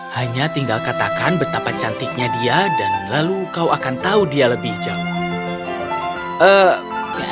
hanya tinggal katakan betapa cantiknya dia dan lalu kau akan tahu dia lebih jauh